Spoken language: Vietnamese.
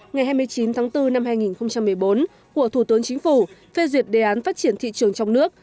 ngày hai mươi chín tháng bốn năm hai nghìn một mươi bốn của thủ tướng chính phủ phê duyệt đề án phát triển thị trường trong nước